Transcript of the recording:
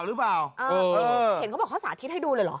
เห็นมาเขาสาธิตให้ดูเลยเหรอ